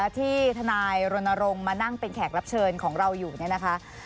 ที่ทนายรณรงค์มานั่งเป็นแขกรับเชิญของเราอยู่เนี่ยนะคะ